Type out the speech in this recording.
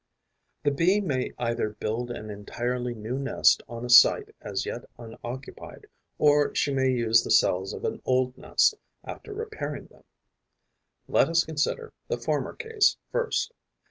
The Bee may either build an entirely new nest on a site as yet unoccupied, or she may use the cells of an old nest, after repairing them. Let us consider the former case first.